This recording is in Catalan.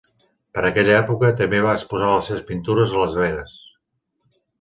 Per aquella època, també va exposar les seves pintures a Las Vegas.